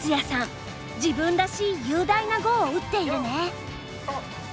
自分らしい雄大な碁を打っているね。